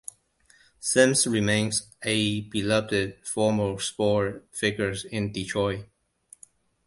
Sims remains a beloved former sports figure in Detroit.